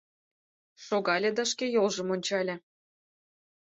Шогале да шке йолжым ончале.